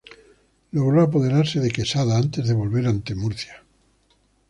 Logró apoderarse de Quesada antes de volver ante Murcia.